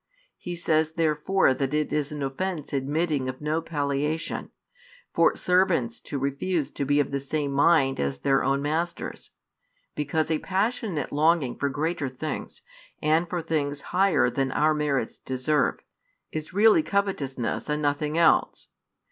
He says therefore that it is an offence admitting of no palliation, for servants to refuse to be of the same mind as their own masters: because a passionate longing for greater things, and for things higher than our merits deserve, is really covetousness and nothing else.